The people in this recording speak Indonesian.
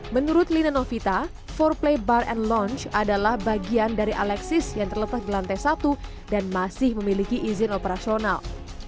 menurut lina novita empat play bar and launch adalah bagian dari alexis yang terletak di lantai satu dan masih memiliki izin operasional